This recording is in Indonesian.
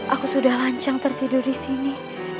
aku sudah lancang tertidur di sini